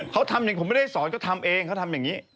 เขาทำอย่างผมไม่ได้สอนก็ทำเองเขาทำอย่างนี้